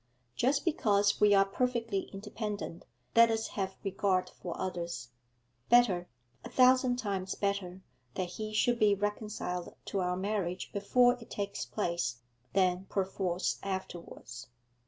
Just because we are perfectly independent let us have regard for others; better, a thousand times better, that he should be reconciled to our marriage before it takes place than perforce afterwards.